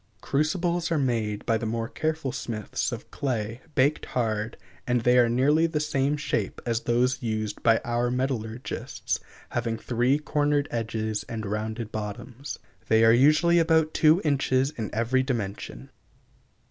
Crucibles are made by the more careful smiths of clay, baked hard, and they are nearly the same shape as those used by our metallurgists, having three cornered edges and rounded bottoms. They are usually about two inches in every dimension.